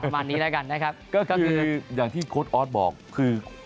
มานี้ละกันได้ครับก็คืออย่างที่โก๊ชอธบอกคือ